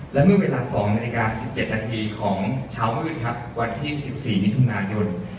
และเมื่อเวลา๒นาฬิกา๑๗นาทีของเช้ามืดครับวันที่๑๔มิถุนายน